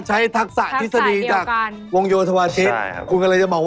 โชว์จากปริศนามหาสนุกหมายเลขหนึ่ง